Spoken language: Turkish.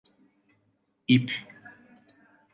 İp…